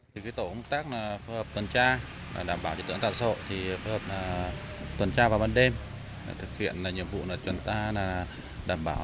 tổ tuyển tra phối hợp đảm bảo trật tự an toàn xã hội phối hợp tuần tra vào ban đêm thực hiện nhiệm vụ truyền tra đảm bảo